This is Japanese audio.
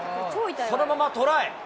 そのままトライ。